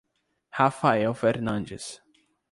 Rafael Fernandes